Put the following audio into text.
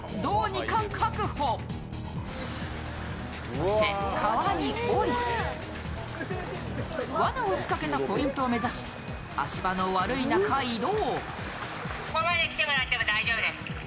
そして川に下りわなをしかけたポイントを目指し足場の悪い中、移動。